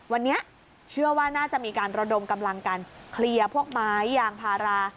วันนี้เชื่อว่าน่าจะมีการระดมกำลังการเคลียร์พวกไม้ยางพารา